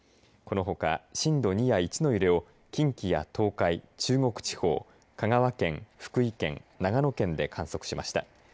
このほか震度２や１の揺れを近畿や東海、中国地方香川県、福井県長野県で観測しました。